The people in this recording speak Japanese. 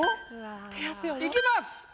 いきます